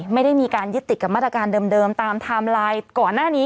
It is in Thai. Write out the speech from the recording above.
ไม่ได้มีการยึดติดกับมาตรการเดิมตามไทม์ไลน์ก่อนหน้านี้